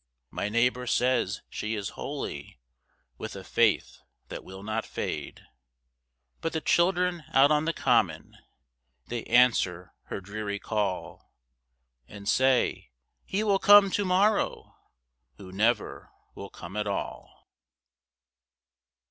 My neighbour says she is holy, With a faith that will not fade. But the children out on the common They answer her dreary call, And say: "He will come to morrow!" Who never will come at all.